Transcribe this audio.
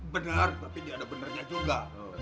bener tapi dia ada benernya juga